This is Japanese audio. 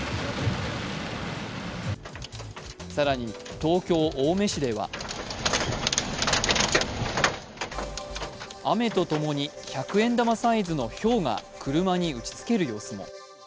更に東京・青梅市では雨と共に百円玉サイズのひょうが車に打ちつける様子も。